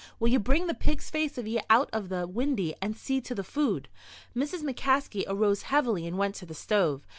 Will ye bring the pig's face of ye out of the windy and see to the food?" Mrs. McCaskey arose heavily and went to the stove.